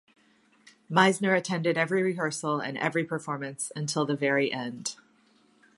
Meisner attended every rehearsal and every performance until the very end.